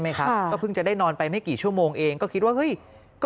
ครับก็เพิ่งจะได้นอนไปไม่กี่ชั่วโมงเองก็คิดว่าเฮ้ยก็